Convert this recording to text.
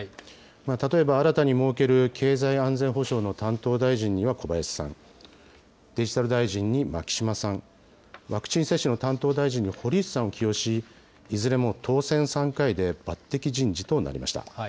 例えば、新たに設ける経済安全保障の担当大臣には小林さん、デジタル大臣に牧島さん、ワクチン担当大臣に堀内さんを起用し、いずれも当選３回で抜てき人事となりました。